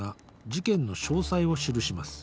事件の詳細を記します」